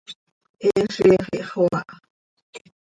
He ziix ihxoaa.